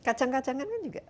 kacang kacangan kan juga